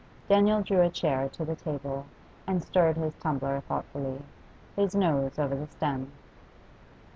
Daniel drew a chair to the table and stirred his tumbler thoughtfully, his nose over the steam.